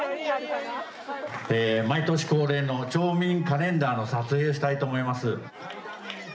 毎年恒例の町民カレンダーの撮影をしたいと思います。